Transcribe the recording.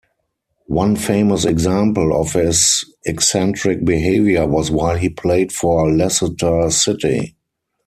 One famous example of his eccentric behaviour was while he played for Leicester City.